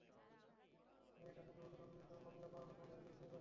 তাই এটা চলতি বছরের অনন্য ছবির মর্যাদা পাওয়ার অন্যতম দাবিদার হতেই পারে।